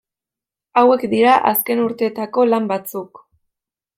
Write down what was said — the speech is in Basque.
Hauek dira azken urteetako lan batzuk.